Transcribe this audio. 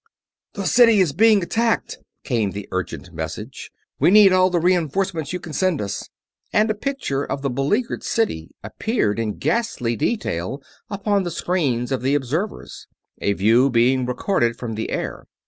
"The city is being attacked!" came the urgent message. "We need all the reenforcements you can send us!" and a picture of the beleaguered city appeared in ghastly detail upon the screens of the observers; a view being recorded from the air.